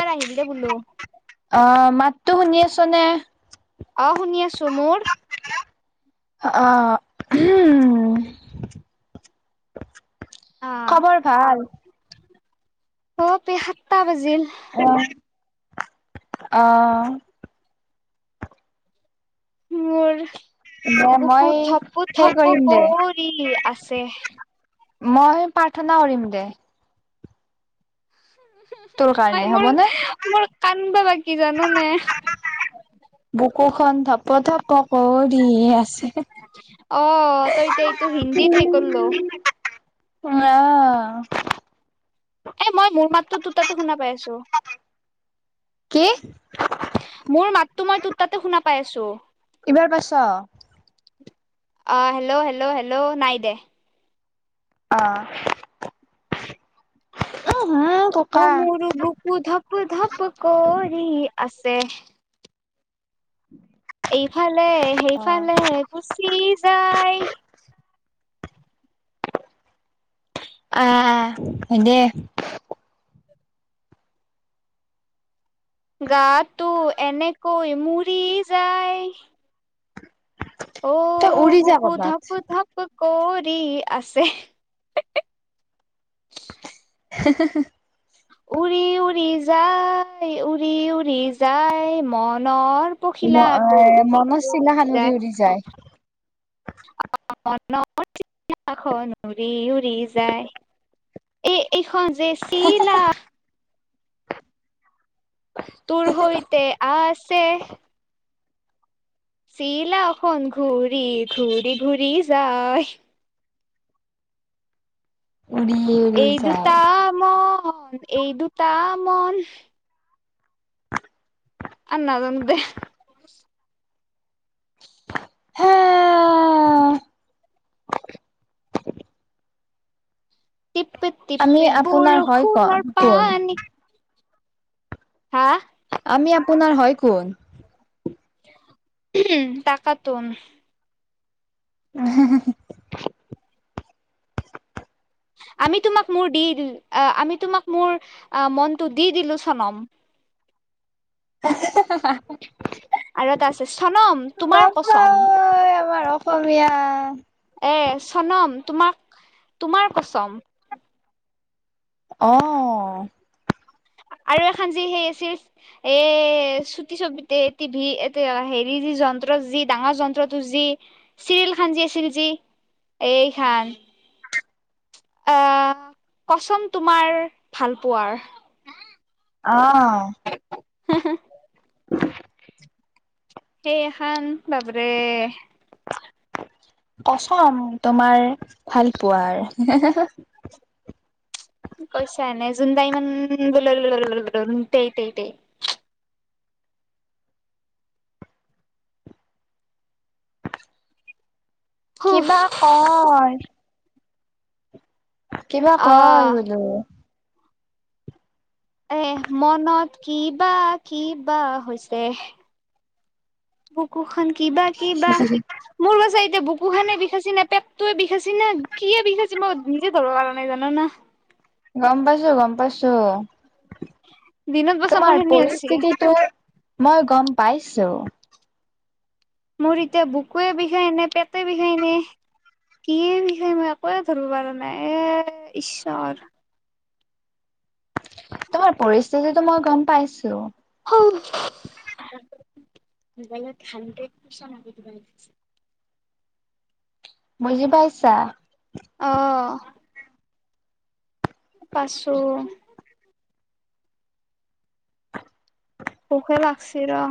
বাৰ আহিল দে বলো অ মাতো শুনি আছ নে অ শুনি আছো মোৰ আহ উ খবৰ ভাল অ পি সাতটা বাজিল আহ মোৰ দে মই বুকু থপু সেই থপু কৰিম দে কৰি আছে মই প্ৰাৰ্থনা কৰিম দে তোৰ মই কাৰণে হ'ব মোৰ নে? মোৰ কানবা লাগি জান নাই? বুকুখন ধপ থপ কৰি আছে অ তই এতিয়া এইটো হিন্দীত সেই কৰল উ আহ এ মই মোৰ মাতটো তোৰ টাতো শুনা পাই আছো কি মোৰ মাতটো মই তোৰত তাতে শুনা পাই আছো এইবাৰ পাইছ? অ হেল্ল' হেল্ল' হেল্ল' নাই দে অ উহু অ বোকা মোৰো বুকু ধপ ধপ কৰি আছে এইফালে অ' সেইফালে গুচি যায় আহ দে গাটো এনেকৈ মৰি যায় তই অঔ উৰি যা বুকু কৰ'বাত ধক ধক গৰি আছে [unintelligible] উৰি উৰি যায় উৰি উৰি যায় মনৰ পখিলা টো উৰি মনত চিলা উৰি খান যায় উৰি তখন উৰি উৰি যায় এ এইখন যে চিলা তোৰ সৈতে আহ আছে চিলাখন ঘূৰি ঘূৰি ঘূৰি যায় উৰি উৰি এই যায় দুটামন এই দুটা মন আৰু নাযানো দে হা টিপি আমি টিপি আপোনাৰ হয় কন বৰষুণৰ কোন পানী হা আমি আপোনাৰ হয় কোন? তাকাতোন উম হু হু [unintelligible] [unintelligible] [inaudible] আমি তোমাক মোৰ দিল আমি তোমাক মোৰ মনটো দি দিলো চনম [unintelligible] আৰু এটা আছে সনম তোমাৰ কচম তোমাৰ অসমীয়া এ চনম তোমাক তোমাৰ কচম অ [unintelligible] আৰু এখন যি সেই আছিল এ চুটি ছবিতে টিভি এ হেৰি যি জন্ত যি যি ডাঙৰ যন্ত্ৰটো যি চিৰিয়ল খান যি আছিল যি এই খান আহ কচোন তোমাৰ ভাল পোৱাৰ আহ হম হু [unintelligible] সেই খান বাপৰে কচম তোমাৰ ভাল পোৱাৰ। [unintelligible] হুফ কিবা কয়? কিবা ঘ আহ বোলো এ মনত কিবা কিবা হৈছে। [unintelligible] বুকু খ কিবা কিবা মোৰ বাছে এতিয়া বুকু খে বিষা চি নাপেক [unintelligible] তইে বিষাইছি না কি বিষাইছি মই নিজে ধৰৰ কাৰণাই জানো না গম পাইছো গম পাইছো দিনত বছা মোৰ তোমাৰ সেনে হৈছি পৰিস্থিতিটো মই গম পাইছো মোৰ এতিয়া বুকুৱে বিষাই ন পেট বিষাই ন কিয়ে বিষাই একোৱে ধৰিব পৰা নাই এ ঈশ্বৰ [unintelligible] তোমাৰ পৰিস্থিতিটো মই গম পাইছো। হ [unintelligible] হ্ৰেড পচে আ [unintelligible] বুজি পাইছা আহ পাচু পোকে লাগছে ৰ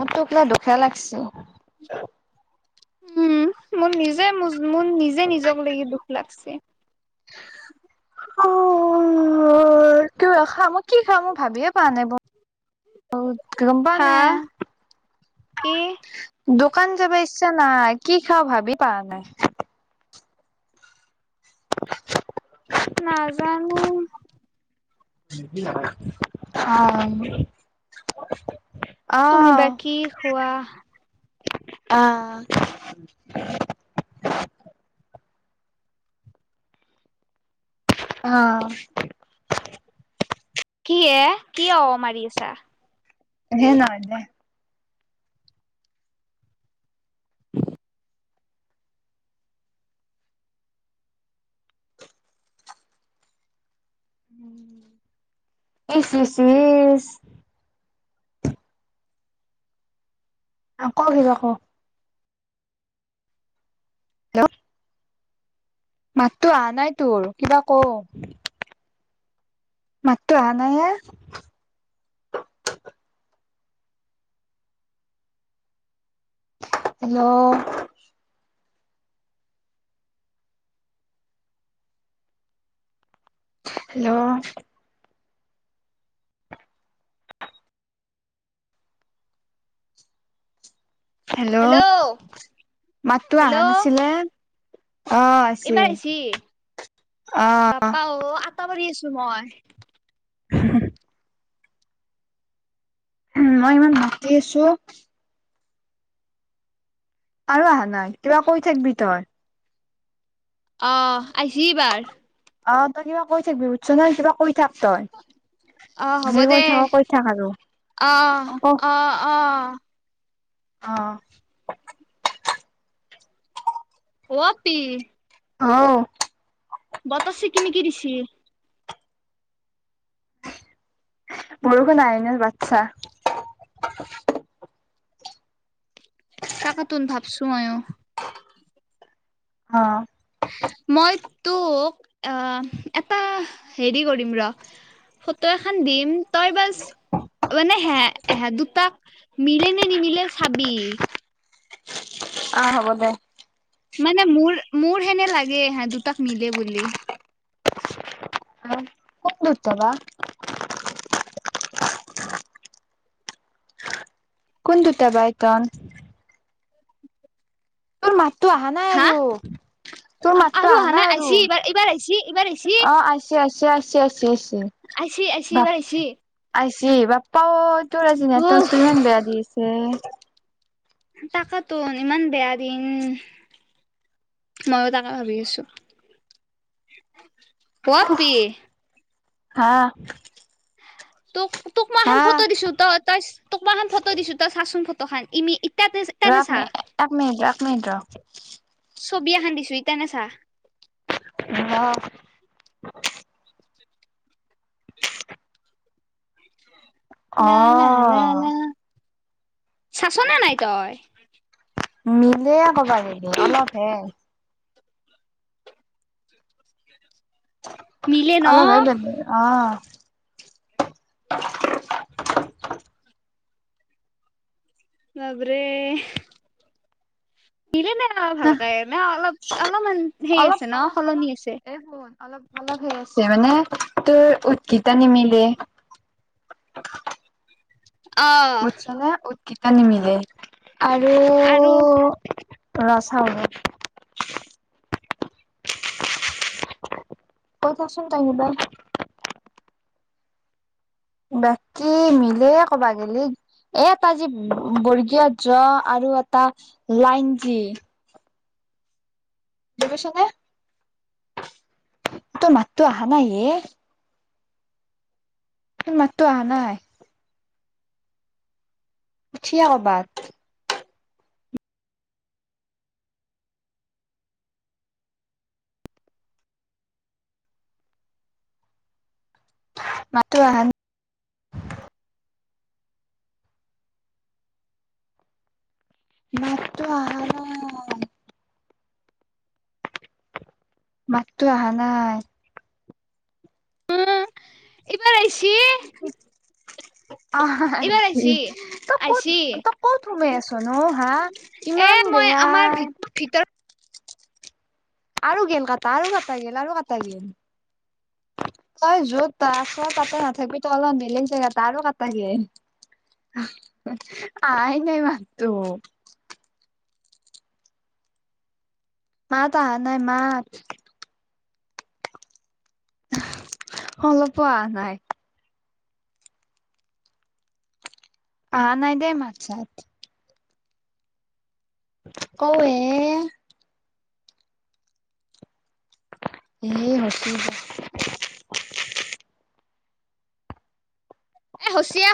মোৰটো কিবা দুখীয়া লাগিছিল উম মোৰ নিজে মোৰ নিজে নিজক লকি দুখ লাগছে [unintelligible] [inaudible] উ ক খা মই কি খা মই ভাবিয়ে পোৱা নাই ব [unintelligible] অ গম পৱা হা নাই কি দোকান যাব ইচ্ছা নাই কি খাওঁ ভাবি পোৱা নাই? [unintelligible] [inaudible] নাজানো অ তুমি বাকী খোৱা আহ অ কি এ কি অ মাৰি আছা। হেই নহয় দে ইচ ইচ ইচ অ ক কিবা ক হেল্ল মাততো অহা নাই তোৰ কিবা ক মাতটো আসায় নাই ইয়াৰ [unintelligible] হেল্ল' হেল্ল' হেল্ল' মাততো অহা হেল্ল' নাছিলে অ আইছে এইবাৰ অ আহিছি বাপা অ আটা মাৰি আছো মই হ [unintelligible] উ মই ইমান মাতি আছো। আৰু অহা নাই কিবা কৈ থাকিবি তই- আহ আহছ বাৰ- অ তই কিবা কৈ থাকিব বিহুতছ নহয় কিবা কৈ থাক। তই অ হ'ব যি কৈ দে থাক কৈ থাক আৰু অ অ অ অ অ পি [unintelligible] অ বতাসছে কিমি কি দিছি [unintelligible] বৰখন আহ ন বাচ্ছা। তাকেতোন ভাবিছো ময়ো অ মই তোক অহ এটা হেৰি কৰিম ৰ ফটো এখন দিম তই বাছ মানে হে দুটা মিলে নে নিমিলে চাবি- অহ হ'ব দে- মানে মোৰ মোৰ হেনে লাগে হে দুটাক মিলে বুলি হ কোন দুটা বা কোন দুটা বাই তন তোৰ মাততো অহা নাই হা আৰু তোৰ আ- মাততো আৰু অহা নাই আৰু আইছি এইবাৰ এইবাৰ আইছি এইবাৰ অ আছে আহিছে আহিছে আহিছে আহিছে আহিছি এবাৰ আহিছে আইছে বাপা অ তোৰ আজি হুহ নেতৱৰ্কতো ইমান বেয়া দিছে। তাকাতো ইমান বেয়া দিন ময়ো তাকে ভাবি আছো। অ পি হা তোক তোক মা খন হা ফটো দিছো তই ত তোক মা এখন ফটো দিছো তই চাচোন ফটো খান ইমি- ইতাতে ইতানে চা মিন এক মিনিট এক মিনিট ৰ ছবি এখন দিছো ইতনে চা অহ [inaudible] ল লা ল অ', লা চাচ নে নাই তই মিলে কব গলে অলপহে মিলে ন আলাৰাই দে অ বাপৰে- দিলে নাই অ ভালকে নে অলপ অলপমান হেৰি অলপ আছে ন অলপ অলপ সলনি আছে এ শুন অলপ অলপ হে আছে মানে তোৰ উৎকিতা নিমিলে অ বুজিছ নে উৎকেটা নিমিলে আৰু আৰু ৰ চাও ৰ কৈ চা চোন তাই নিবাই বাকী মিলে ক'বা গিলি এ এটা যি বৰ্গীয় জ আৰু এটা লাইন কি শুনিছ নে তোৰ মাততো অহা নাই এ তোৰ মাতটো আহা নাই উঠি আ কবাত মাত তো আহা নাই মাততো আহা নাই মাততো অহা নাই উম এইবাৰ আহিছে অ এইবাৰ আহিছে আহিছি। ত কত আহিছি ত কত সোমাই আছ চনো হা এ ইমান মই বেয়া আমাৰ ভিত ভিতৰত আৰু গেল কটা আৰু কটা গেল আৰু কটা গেল তই যত আছ তাতে নাথাকিবি ত অলপ বেলেগ জেগাত আহ আৰু কাটা গেল অহ আহাই নাই মাততো মাত আহা নাই মাত অলপো আহা নাই আহা নাই দেই মাত চাত কৌ এ এ হৈছে এ হচিয়ে